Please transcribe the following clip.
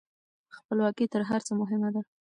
خپلواکي تر هر څه مهمه ده.